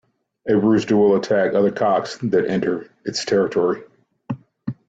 A rooster will attack other cocks that enter its territory.